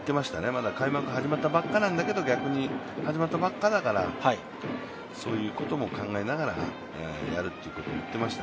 まだ開幕、始まったばっかなんだけど、始まったばっかだからそういうことも考えながらやると言ってました。